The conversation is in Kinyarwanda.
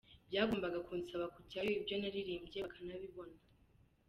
Byagombaga kunsaba kujyayo, ibyo naririmbye bakanabibona.